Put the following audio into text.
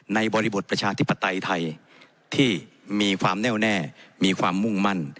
บริบทประชาธิปไตยไทยที่มีความแน่วแน่มีความมุ่งมั่น